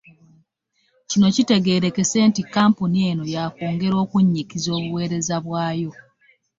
Kino kitegeerekese nti kkampuni eno ya kwongera okunnyikiza obuweereza bwayo